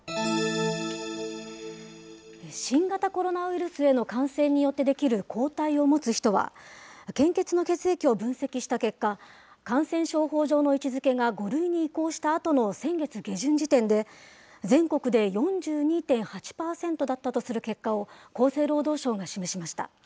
新型コロナウイルスへの感染によって出来る抗体を持つ人は、献血の血液を分析した結果、感染症法上の位置づけが５類に移行したあとの先月下旬時点で、全国で４２．８％だったとする結果を厚生労働省が示しました。